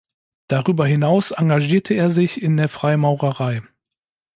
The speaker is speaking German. Darüber hinaus engagierte er sich in der Freimaurerei.